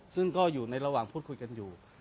ซึ่งก็อยู่ในระหว่างพูดคุยกันอยู่